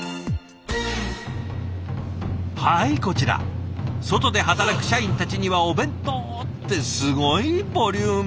はいこちら外で働く社員たちにはお弁当ってすごいボリューム。